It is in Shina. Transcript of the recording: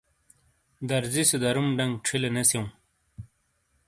دَرزی سے دَرُم ڈَنگ چھِیلے نے سِیَؤں۔